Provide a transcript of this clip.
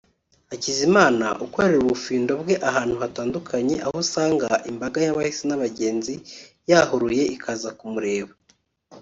Hakizimana ukorera ubufindo bwe ahantu hatandukanye aho usanga imbaga y’abahisi n’abagenzi yahuruye ikaza kumureba